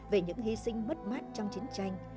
về những hy sinh mất mát trong chiến tranh